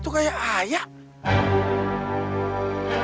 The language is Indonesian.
itu kayak ayah